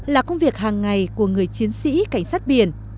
là công việc hàng ngày của người chiến sĩ cảnh sát biển